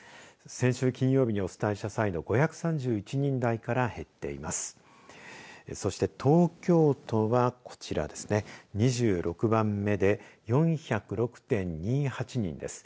先週金曜日にお伝えした際の５３１人台から減っています。